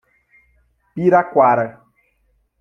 Piraquara